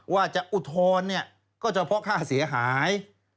ว่าจะอุทธนก็เฉพาะค่าเสียหาย